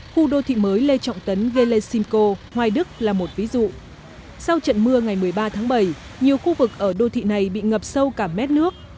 khu đô thị mới lê trọng tấn velesimco hoài đức là một ví dụ sau trận mưa ngày một mươi ba tháng bảy nhiều khu vực ở đô thị này bị ngập sâu cả mét nước